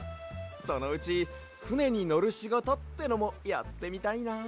そのうちふねにのるしごとってのもやってみたいな。